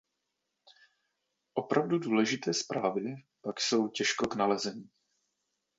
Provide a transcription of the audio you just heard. Opravdu důležité zprávy pak jsou těžko k nalezení.